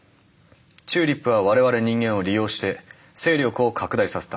チューリップは我々人間を利用して勢力を拡大させた。